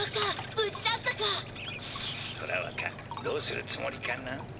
どうするつもりかな？